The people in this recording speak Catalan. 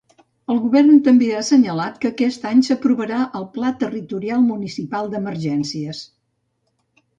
El Govern també ha assenyalat que aquest any s'aprovarà el Pla Territorial Municipal d'Emergències.